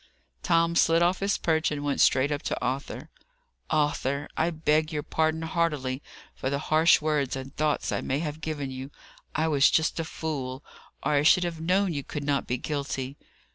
Tom slid off his perch and went straight up to Arthur. "Arthur, I beg your pardon heartily for the harsh words and thoughts I may have given you. I was just a fool, or I should have known you could not be guilty.